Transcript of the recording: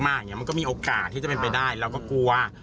มันก็มีโอกาสที่จะเป็นไปได้แล้วก็กลัว